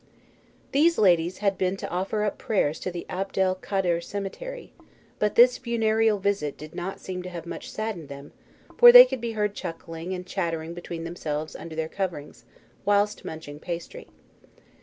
These ladies had been to offer up prayers in the Abdel Kader cemetery; but this funereal visit did not seem to have much saddened them, for they could be heard chuckling and chattering between themselves under their coverings whilst munching pastry.